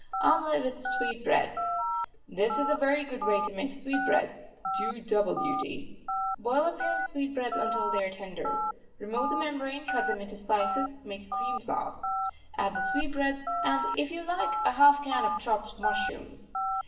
OMELET WITH SWEETBREADS This is a very good way to make sweetbreads do double duty. Boil a pair of sweetbreads until they are tender. Remove the membrane, cut them into slices; make a cream sauce. Add the sweetbreads, and, if you like, a half can of chopped mushrooms.